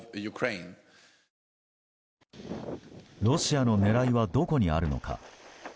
ロシアの狙いはどこにあるのか。